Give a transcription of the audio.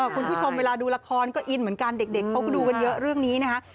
คุณผู้ชมเวลาดูละครก็อินเหมือนกันเด็กเขาก็ดูกันเยอะเรื่องนี้นะคะ